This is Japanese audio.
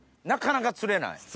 なかなか釣れない？